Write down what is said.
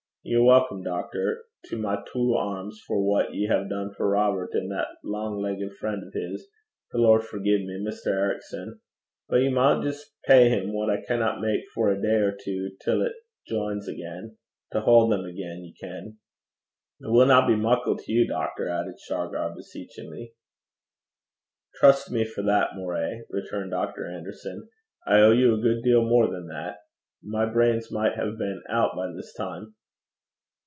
Ye're welcome, doctor, to my twa airms for what ye hae dune for Robert an' that lang leggit frien' o' his the Lord forgie me Mr. Ericson. But ye maun jist pay him what I canna mak for a day or twa, till 't jines again to haud them gaein', ye ken. It winna be muckle to you, doctor,' added Shargar, beseechingly. 'Trust me for that, Moray,' returned Dr. Anderson. 'I owe you a good deal more than that. My brains might have been out by this time.'